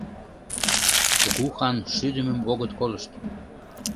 Кугу хан шӱдымым огыт колышт.